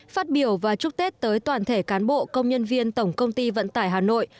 phát biểu và chúc tết tới toàn thể cán bộ công nhân viên tổng công ty vận tải hà nội